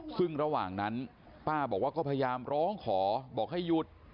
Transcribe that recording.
ซึ่งระหว่างนั้นป้าบอกว่าก็พยายามร้องขอบอกให้หยุด